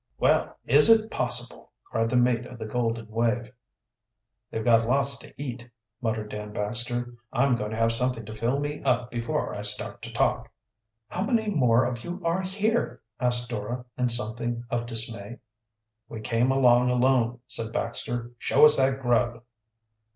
"Well, is it possible!" cried the mate of the Golden Wave. "They've got lots to eat," muttered Dan Baxter. "I'm going to have something to fill me up before I start to talk." "How many more of you are here?" asked Dora, in something of dismay. "We came along alone," said Baxter. "Show us that grub."